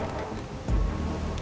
ini dia pak